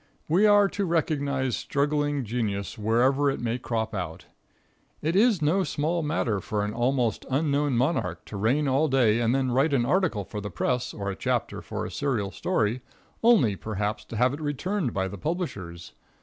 We are to recognize struggling genius wherever it may crop out. It is no small matter for an almost unknown monarch to reign all day and then write an article for the press or a chapter for a serial story, only, perhaps, to have it returned by the publishers.